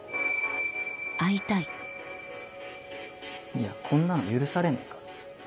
いやこんなの許されねえから。